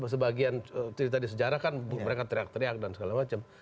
sebagian cerita di sejarah kan mereka teriak teriak dan segala macam